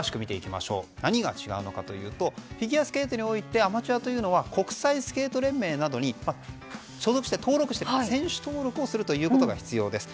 何が違うのかというとフィギュアスケートにおいてアマチュアというのは国際スケート連盟などに所属して選手登録をすることが必要です。